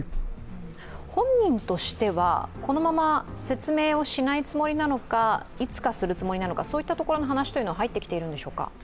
本人としてはこのまま説明をしないつもりなのかいつかするつもりなのかそういったところの話というのは入ってきているんでしょうか。